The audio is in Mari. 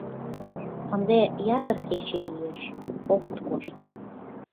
Ынде ятыр кече лиеш, огыт кошт.